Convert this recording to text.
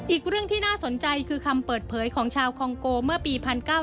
อีกเรื่องที่น่าสนใจคือคำเปิดเผยของชาวคองโกเมื่อปี๑๙๙